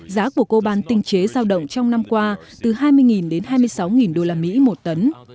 giá của coban tinh chế giao động trong năm qua từ hai mươi đến hai mươi sáu đô la mỹ một tấn